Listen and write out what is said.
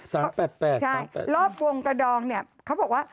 สามแปดแปดใช่รอบวงกระดองเนี้ยเขาบอกว่า